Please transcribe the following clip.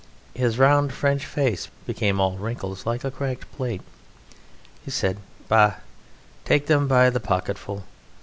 His round French face became all wrinkles, like a cracked plate. He said: "Bah! Take them by the pocketful!